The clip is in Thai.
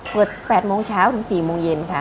เปิด๘โมงเช้าถึง๔โมงเย็นค่ะ